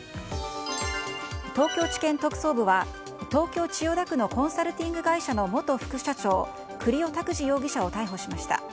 東京地検特捜部は東京・千代田区のコンサルティング会社の元副社長栗尾拓滋容疑者を逮捕しました。